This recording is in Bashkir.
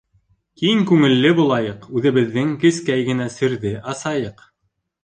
Киң күңелле булайыҡ, Үҙебеҙҙең кескәй генә серҙе асайыҡ.